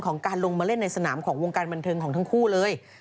การลงมาเล่นในสนามของวงการบันเทิงของทั้งคู่เลย